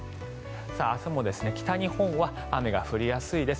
明日も北日本は雨が降りやすいです。